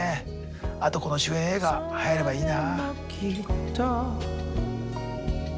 あとこの主演映画はやればいいな。